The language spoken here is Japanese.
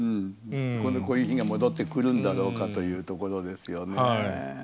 今後こういう日が戻ってくるんだろうかというところですよね。